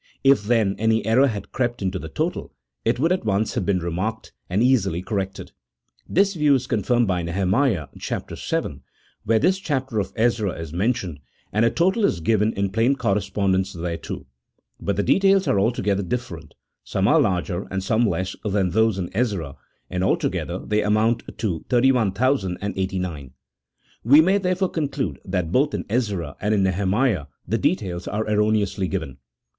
If, then, any error had crept into the total, it would at once have been remarked, and easily cor rected. This view is confirmed by Nehemiah vii., where this chapter of Ezra is mentioned, and a total is given in plain correspondence thereto ; but the details are altogether different — some are larger, and some less, than those in Ezra, and altogether they amount to 31,089. We may, therefore, conclude that both in Ezra and in Nehemiah the CHAP. X.] OF THE PROPHETIC BOOKS. 153 details are erroneously given.